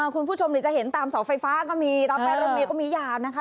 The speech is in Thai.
คุณผู้ชมจะเห็นตามเสาไฟฟ้าก็มีตามท้ายรถเมย์ก็มียาวนะคะ